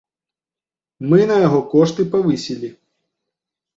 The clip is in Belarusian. Мы на яго кошты павысілі.